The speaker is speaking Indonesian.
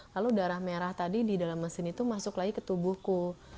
lalu darah merah tadi di dalam mesin itu masuk lagi ke tubuhku